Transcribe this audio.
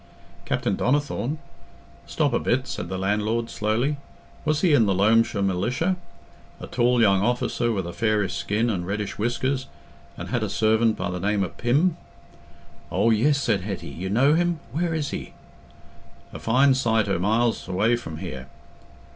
"Captain Donnithorne? Stop a bit," said the landlord, slowly. "Was he in the Loamshire Militia? A tall young officer with a fairish skin and reddish whiskers—and had a servant by the name o' Pym?" "Oh yes," said Hetty; "you know him—where is he?" "A fine sight o' miles away from here.